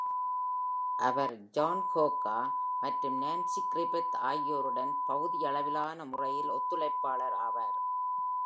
அவர் John Gorka மற்றும் Nancy Griffith ஆகியோருடன் பகுதியளவிலான முறையான ஒத்துழைப்பாளர் ஆவார்.